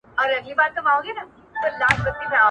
زه خپل قلم کاروم.